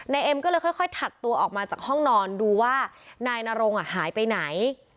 เอ็มก็เลยค่อยถัดตัวออกมาจากห้องนอนดูว่านายนรงหายไปไหน